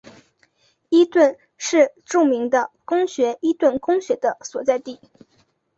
伊顿是著名的公学伊顿公学的所在地。